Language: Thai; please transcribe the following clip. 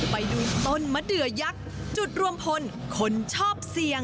ไปดูต้นมะเดือยักษ์จุดรวมพลคนชอบเสี่ยง